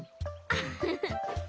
ウフフフ！